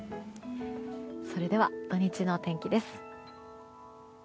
それでは土日のお天気です。